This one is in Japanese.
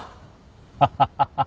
ハハハハ。